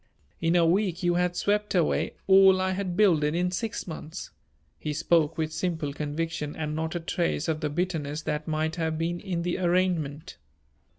In a week you had swept away all I had builded in six months." He spoke with simple conviction and not a trace of the bitterness that might have been in the arraignment.